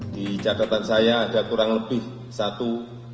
di catatan saya ada kurang lebih satu